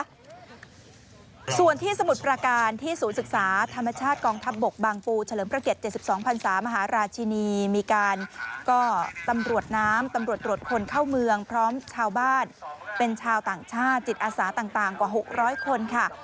ส่วนที่สมุทรประการที่ศูนย์ศึกษาธรรมชาติกองทัพบกบางปูเฉลิมพระเกต๗๒พันศามหาราชินีมีการก็ตำรวจน้ำตำรวจตรวจคนเข้าเมืองพร้อมชาวบ้านเป็นชาวต่างชาติจิตอาสาต่างกว่า๖๐๐คนค่ะ